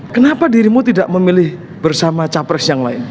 kenapa dirimu tidak memilih bersama capres yang lain